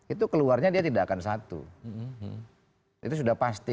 itu keluarnya dia tidak akan satu